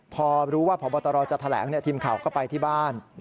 พอรู้ว่าพบตรจะแถลงทีมข่าวก็ไปที่บ้าน